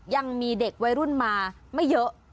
ยังมีเด็กวัยรุ่นมาไม่เยอะ